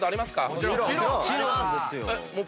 もちろん。